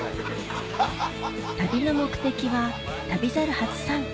旅の目的は『旅猿』初参加